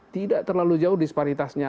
tidak terlalu jauh disparitasnya